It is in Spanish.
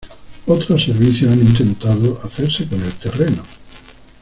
Otros servicios han intentado hacerse con el terreno.